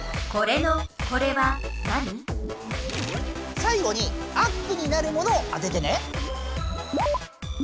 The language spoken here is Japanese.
最後にアップになるものをあててね。